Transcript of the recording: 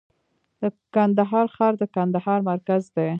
د کندهار ښار د کندهار مرکز دی